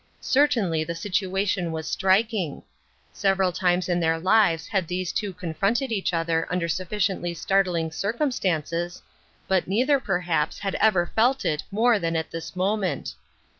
Certainly the situation was striking. Sev 3 l6 UNDER GUIDANCE. eral times in their lives had these two confronted each other under sufficiently startling circum stances, but neither perhaps had ever felt it more than at this moment.